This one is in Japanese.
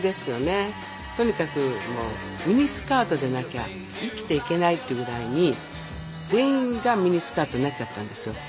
とにかくもうミニスカートじゃなきゃ生きていけないってぐらいに全員がミニスカートになっちゃったんですよ。